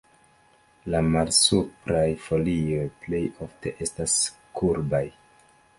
La malsupraj folioj plej ofte estas kurbaj.